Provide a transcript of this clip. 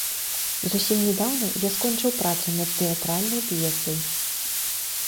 Зусім нядаўна я скончыў працу над тэатральнай п'есай.